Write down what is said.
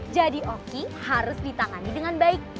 jadi oki harus ditangani dengan baik